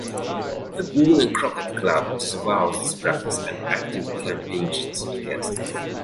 The Boone and Crockett Club disavows this practice and actively campaigns against it.